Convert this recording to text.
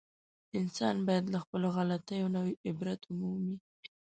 انسان باید له خپلو غلطیو نه عبرت و مومي.